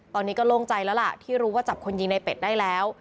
ตอนนี้ก็โล่งใจแล้วล่ะที่รู้ว่าจับคนยิงในเป็ดได้แล้ว